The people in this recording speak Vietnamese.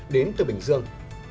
đến từ bình dương